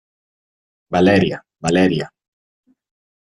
Valeria. Valeria .